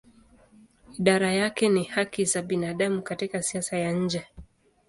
Idara yake ni haki za binadamu katika siasa ya nje.